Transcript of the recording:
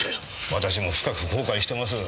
私も深く後悔してます。